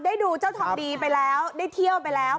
ดูเจ้าทองดีไปแล้วได้เที่ยวไปแล้ว